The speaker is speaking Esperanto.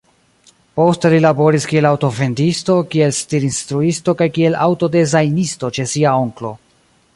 Poste li laboris kiel aŭto-vendisto, kiel stir-instruisto kaj kiel aŭto-dezajnisto ĉe sia onklo.